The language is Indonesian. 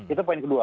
itu poin kedua